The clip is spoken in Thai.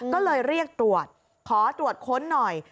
ก็เลยเรียกตรวจขอตรวจค้นหน่อย